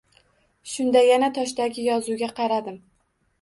Shunda yana toshdagi yozuvga qaradim